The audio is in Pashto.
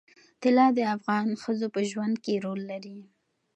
طلا د افغان ښځو په ژوند کې رول لري.